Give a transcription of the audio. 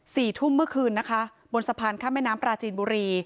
สี่ทุ่มเมื่อคืนนะคะบนสะพานข้ามแม่น้ำปลาจีนบุรี